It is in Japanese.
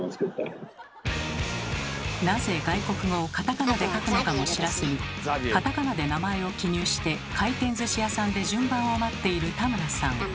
なぜ外国語をカタカナで書くのかも知らずにカタカナで名前を記入して回転ずし屋さんで順番を待っているタムラさん。